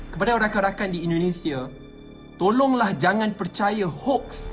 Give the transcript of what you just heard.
kepada rakan rakan di indonesia tolonglah jangan percaya hoax